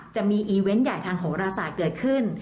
จะมีอีเวนต์ใหญ่ทางโหรศาสตร์เกิดขึ้น